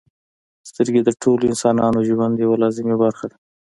• سترګې د ټولو انسانانو ژوند یوه لازمي برخه ده.